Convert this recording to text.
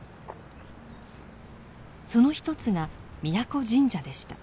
その一つが宮古神社でした。